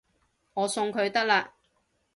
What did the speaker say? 我送佢得喇